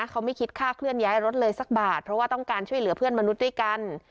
เขาไม่คิดค่าเคลื่อนย้ายรถเลยสักบาทเพราะว่าต้องการช่วยเหลือเพื่อนมนุษย์ด้วยกัน